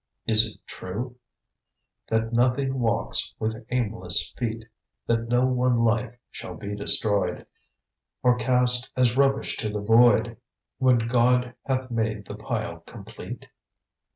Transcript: Is it true _"That nothing walks with aimless feet; That no one life shall be destroyed, Or cast as rubbish to the void, When God hath made the pile complete?"